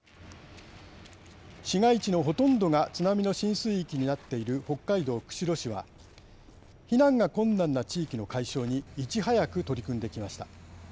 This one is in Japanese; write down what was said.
市街地のほとんどが津波の浸水域になっている北海道釧路市は避難が困難な地域の解消にいち早く取り組んできました。